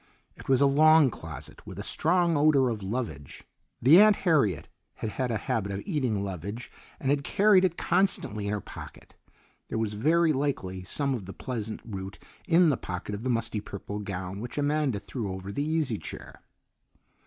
It was a long closet with a strong odour of lovage. The Aunt Harriet had had a habit of eating lovage and had carried it constantly in her pocket. There was very likely some of the pleasant root in the pocket of the musty purple gown which Amanda threw over the easy chair.